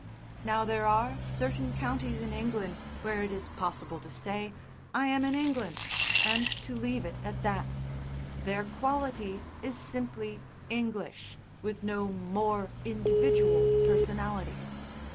Now there are certain counties in England where it is possible to say, "I am in England," and to leave it at that; their quality is simply English with no more individual personality.